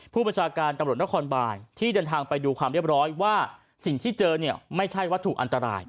ประชาการตำรวจนครบานที่เดินทางไปดูความเรียบร้อยว่าสิ่งที่เจอเนี่ยไม่ใช่วัตถุอันตราย